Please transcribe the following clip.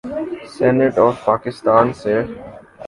Senate of Pakistan سے۔